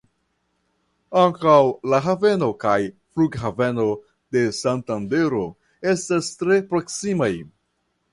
Ankaŭ la haveno kaj flughaveno de Santandero estas tre proksimaj.